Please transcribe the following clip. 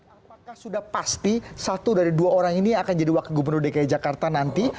apakah sudah pasti satu dari dua orang ini yang akan jadi wakil gubernur dki jakarta nanti